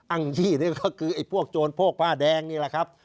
อ้างยี่นี่ก็คือไอ้พวกโจรโพกผ้าแดงนี่แหละครับ